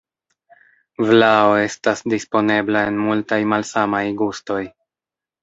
Vlao estas disponebla en multaj malsamaj gustoj.